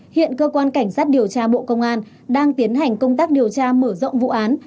hiện cơ quan cảnh sát điều tra bộ công an đang tiến hành công tác điều tra mở rộng vụ án